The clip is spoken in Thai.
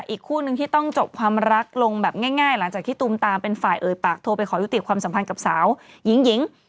อีกคู่นึงที่ต้องจบความรักลงแบบง่ายหลังจากที่ตูมตามเป็นฝ่ายเอ่ยปากโทรไปขอยุติความสัมพันธ์กับสาวหญิงหญิง